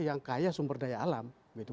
yang kaya sumber daya alam